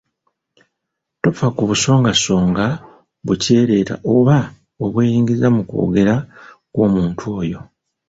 Tofa ku busongasonga bukyereeta oba obweyingiza mu kwogera kw’omuntu oyo.